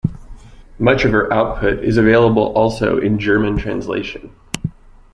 Much of her output is available also in German translation.